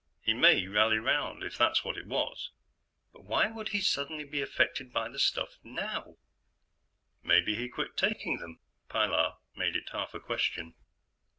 He may rally round, if that's what it was. But why would he suddenly be affected by the stuff now?" "Maybe he quit taking them?" Pilar made it half a question.